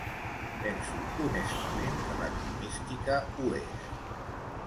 Penso honestament que l'enigmística ho és.